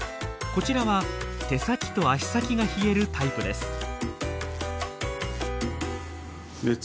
こちらは手先と足先が冷えるタイプです。